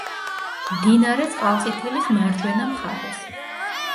მდინარე წყალწითელის მარჯვენა მხარეს.